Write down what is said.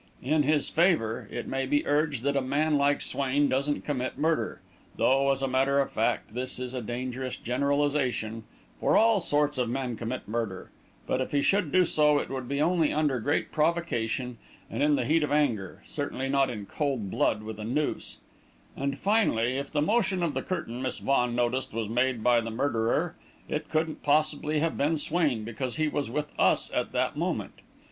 "In his favour, it may be urged that a man like Swain doesn't commit murder though, as a matter of fact, this is a dangerous generalisation, for all sorts of men commit murder; but if he should do so, it would be only under great provocation and in the heat of anger, certainly not in cold blood with a noose; and, finally, if the motion of the curtain Miss Vaughan noticed was made by the murderer, it couldn't possibly have been Swain, because he was with us at that moment.